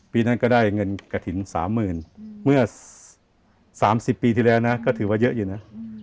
ปีนั้นก็ได้เงินกระถิ่น๓๐๐๐เมื่อ๓๐ปีที่แล้วนะก็ถือว่าเยอะอยู่นะ